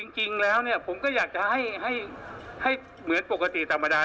จริงแล้วผมก็อยากจะให้เหมือนปกติธรรมดา